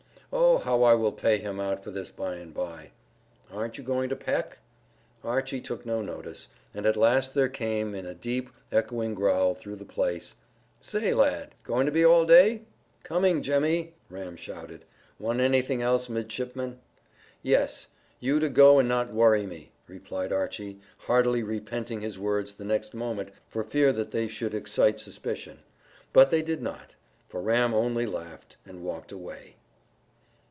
"Oh, how I will pay him out for this by and by!" "Aren't you going to peck?" Archy took no notice, and at last there came, in a deep, echoing growl through the place, "Say, lad, going to be all day?" "Coming, Jemmy," Ram shouted. "Want anything else, midshipman?" "Yes, you to go and not worry me," replied Archy, heartily repenting his words the next moment for fear that they should excite suspicion. But they did not, for Ram only laughed and walked away.